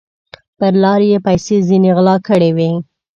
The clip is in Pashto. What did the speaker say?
پر لار یې پیسې ځیني غلا کړي وې